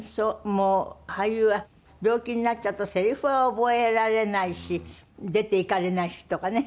もう俳優は病気になっちゃうとせりふは覚えられないし出て行かれないしとかね